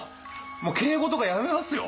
もう敬語とかやめますよ